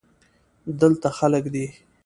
دلته خلگ دی.